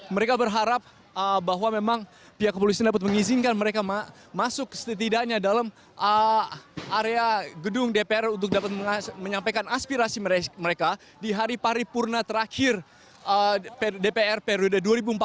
mereka berharap bahwa memang pihak kepolisian dapat mengizinkan mereka masuk setidaknya dalam area gedung dpr untuk dapat menyampaikan aspirasi mereka di hari paripurna terakhir dpr periode dua ribu empat belas dua ribu dua puluh